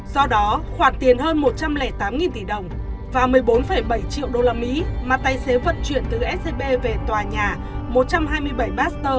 do đó khoản tiền hơn một trăm linh tám tỷ đồng và một mươi bốn bảy triệu đô la mỹ mà tài xế vận chuyển từ scb về tòa nhà một trăm hai mươi bảy baxter